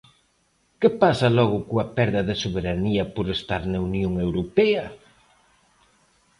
Que pasa logo coa perda de soberanía por estar na Unión Europea?